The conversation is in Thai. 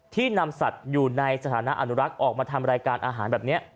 นำสัตว์อยู่ในสถานะอนุรักษ์ออกมาทำรายการอาหารแบบนี้